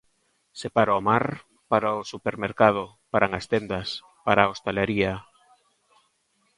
Se para o mar, para o supermercado, paran as tendas, para a hostalería.